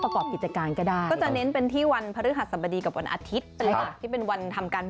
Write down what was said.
ก็จะมีสองวันนะคะ